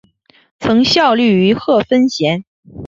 曾效力于贺芬咸。